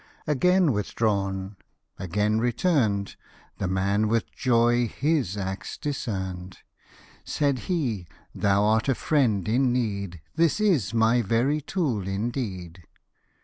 Again withdrawn, again returned, The man with joy his axe discern'd. Said he, " Thou art a friend in need, This is my very tool indeed